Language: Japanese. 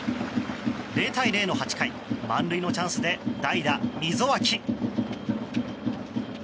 ０対０の８回、満塁のチャンスで代打、溝脇。